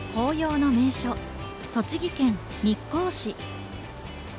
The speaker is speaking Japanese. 紅葉の名所・栃木県日光市。